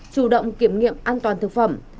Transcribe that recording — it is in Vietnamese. chủ động kiểm nghiệm an toàn thực phẩm